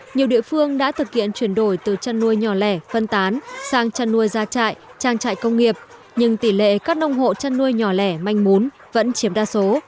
nhiều địa phương đã thực hiện chuyển đổi từ chăn nuôi nhỏ lẻ phân tán sang chăn nuôi gia trại trang trại công nghiệp nhưng tỷ lệ các nông hộ chăn nuôi nhỏ lẻ manh mún vẫn chiếm đa số